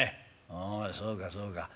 「ああそうかそうか。